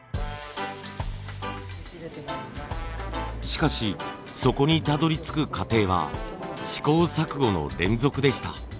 しかしそこにたどりつく過程は試行錯誤の連続でした。